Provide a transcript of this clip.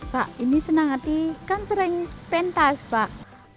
pak ini senang hati kan sering pentas pak